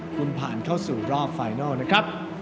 คุณผ่านเข้าสู่รอบไฟนัลนะครับ